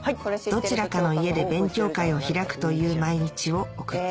どちらかの家で勉強会を開くという毎日を送った